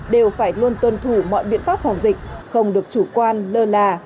đều phải luôn tuân thủ mọi biện pháp phòng dịch không được chủ quan lơ là